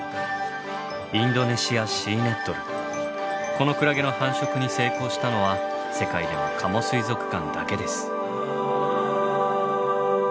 このクラゲの繁殖に成功したのは世界でも加茂水族館だけです。